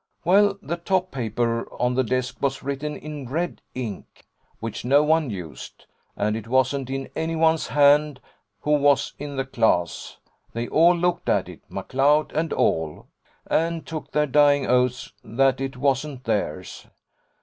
Well, the top paper on the desk was written in red ink which no one used and it wasn't in anyone's hand who was in the class. They all looked at it McLeod and all and took their dying oaths that it wasn't theirs.